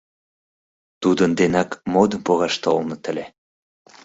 Тудын денак модым погаш толыныт ыле.